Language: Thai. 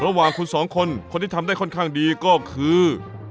ระหว่างคุณสองคนคนที่ทำได้ค่อนข้างดีก็คือ